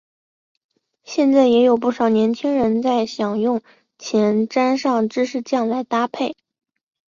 现在也有不少年轻人在享用前沾上芝士酱来搭配。